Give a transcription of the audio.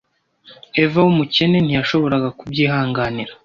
eva w'umukene ntiyashoboraga kubyihanganira